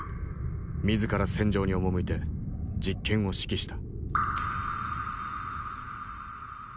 自ら戦場に赴いて実験を指揮した。